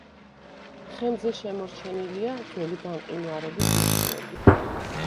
თხემზე შემორჩენილია ძველი გამყინვარების ნიშნები.